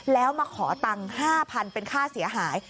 แล้วมาขอตังค์๕๐๐๐เป็นค่าเสียหาย